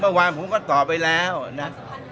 เมื่อวานผมก็ตอบไปแล้วนะ